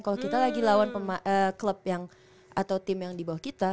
kalau kita lagi lawan klub yang atau tim yang di bawah kita